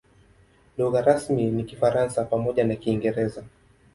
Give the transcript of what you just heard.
Lugha rasmi ni Kifaransa pamoja na Kiingereza.